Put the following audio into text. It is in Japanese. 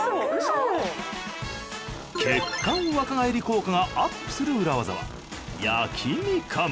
血管若返り効果がアップする裏ワザは焼きミカン。